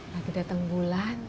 lagi datang bulan